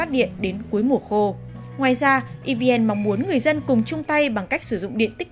đến cuối mùa khô ngoài ra evn mong muốn người dân cùng chung tay bằng cách sử dụng điện tích